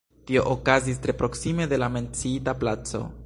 Tio okazis tre proksime de la menciita placo.